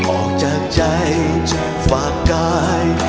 ออกจากใจจะฝากกาย